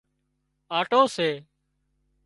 آٽو سي